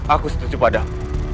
aku setuju padam